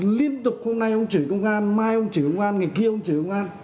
thì liên tục hôm nay ông chửi công an mai ông chửi công an ngày kia ông chửi công an